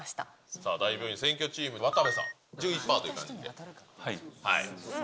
さあ、大病院占拠チーム、渡部さん、１１％ということで。